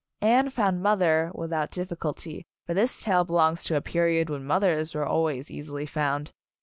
Anne found "Mother" without diffi culty, for this tale belongs to a period when mothers were always easily found.